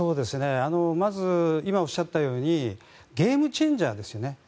まず今、おっしゃったようにゲームチェンジャーですよね。